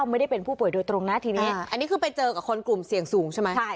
อันนี้คือไปเจอกับคนกลุ่มเสี่ยงสูงใช่ไหม